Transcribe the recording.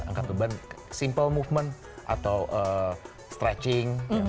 angkat beban simple movement atau stretching